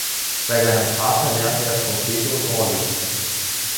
Bei seinem Vater lernte er Trompete und Orgel.